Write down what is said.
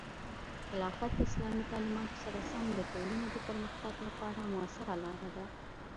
خلافت د اسلامي تعلیماتو سره سم د ټولنې د پرمختګ لپاره مؤثره لاره ده.